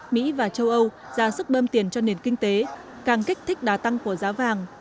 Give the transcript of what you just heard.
mỹ và châu âu ra sức bơm tiền cho nền kinh tế càng kích thích đa tăng của giá vàng